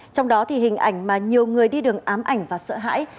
trong đó thì hình ảnh mà nhiều người đi đường ám ảnh và sợ hãi